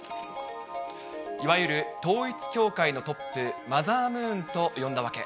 いわゆる統一教会のトップ、マザームーンと呼んだ訳。